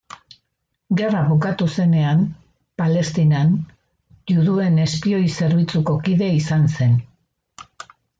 Gerra bukatu zenean, Palestinan, juduen espioi-zerbitzuko kide izan zen.